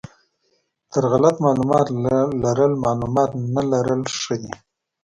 تر غلط معلومات لرل معلومات نه لرل ښه دي.